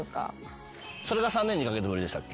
それが３年２カ月ぶりでしたっけ？